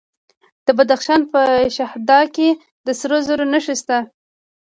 د بدخشان په شهدا کې د سرو زرو نښې شته.